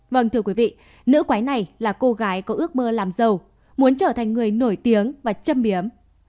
vâng thưa quý vị nữ quái này là cô gái có ước mơ làm giàu muốn trở thành người nổi tiếng và châm biếm